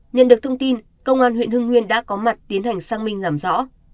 nhận được thông tin công an huyện hưng nguyên đã có mặt tiến hành sang minh làm rõ